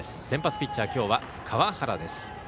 先発ピッチャー、きょうは川原。